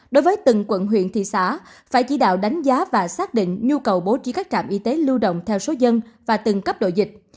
đối với từng quận huyện thị xã phải chỉ đạo đánh giá và xác định nhu cầu bố trí các trạm y tế lưu động theo số dân và từng cấp độ dịch